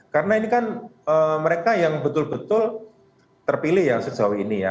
karena ini kan mereka yang betul betul terpilih yang sejauh ini ya